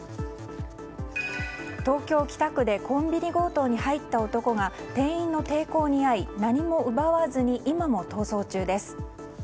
東京・北区でコンビニ強盗に入った男が店員の抵抗にあい何も奪わずに今も逃走中です。